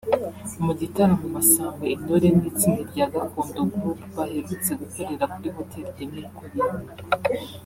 Mu gitaramo Masamba Intore n’itsinda rya Gakondo Group baherutse gukorera kuri Hotel de Mille Collines